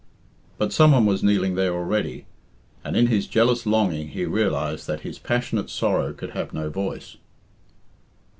But some one was kneeling there already, and in his jealous longing he realised that his passionate sorrow could have no voice.